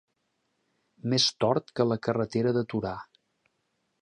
Més tort que la carretera de Torà.